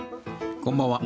こんばんは。